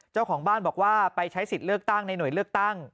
เจ้าของบ้านบอกว่าไปใช้สิทธิ์เลือกตั้งในหน่วยเลือกตั้ง